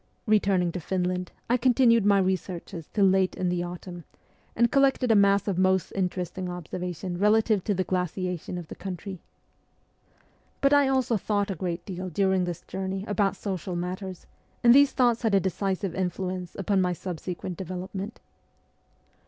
Eeturning to Finland I continued my researches till late in the autumn, and collected a mass of most interesting observations relative to the glaciation of the country. But I also thought a great deal during this journey about social matters, and these thoughts had a decisive influence upon my subsequent development.